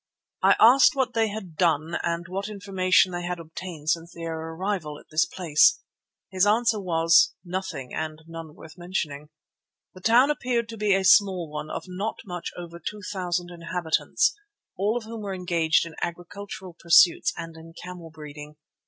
I asked what they had done and what information they had obtained since their arrival at this place. His answer was: Nothing and none worth mentioning. The town appeared to be a small one of not much over two thousand inhabitants, all of whom were engaged in agricultural pursuits and in camel breeding.